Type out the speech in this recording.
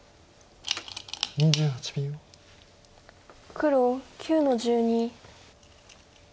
黒９の十二。